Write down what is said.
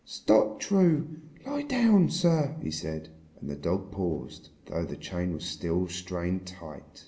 "Stop, True; lie down, sir!" he said, and the dog paused, though the chain was still strained tight.